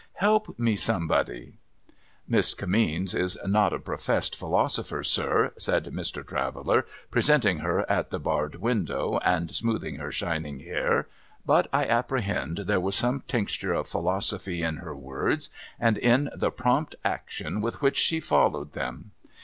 Help me, anybody !'•— Miss Kimmeens is not a professed philosopher, sir,' said Mr. Traveller, presenting her at the barred window, and smoothing her shining hair, ' but I apprehend there was some tincture of philosophy in her words, and in the prompt action with which she followed them.